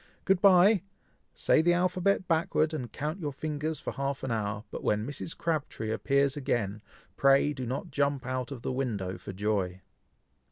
Good bye! Say the alphabet backward, and count your fingers for half an hour, but when Mrs. Crabtree appears again, pray do not jump out of the window for joy."